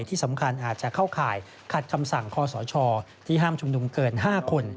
ที่สำคัญอาจจะเข้าข่ายขัดคำสั่งคอสชที่ห้ามชุมนุมเกิน๕คน